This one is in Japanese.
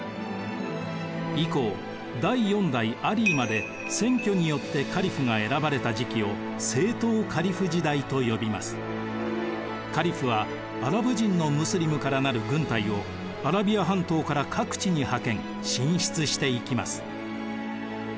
以降第４代アリーまで選挙によってカリフが選ばれた時期をカリフはアラブ人のムスリムから成る軍隊をアラビア半島から各地に派遣進出していきます。